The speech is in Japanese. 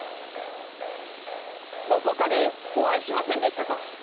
どこかでお会いしませんでしたか？